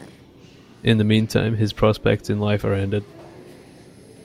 In the meantime his prospects in life are ended.